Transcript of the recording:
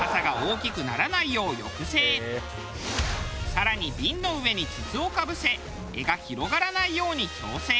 更に瓶の上に筒をかぶせ柄が広がらないように矯正。